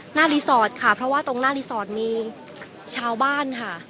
รีสอร์ทค่ะเพราะว่าตรงหน้ารีสอร์ทมีชาวบ้านค่ะ